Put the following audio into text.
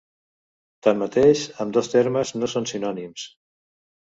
Tanmateix, ambdós termes no són sinònims.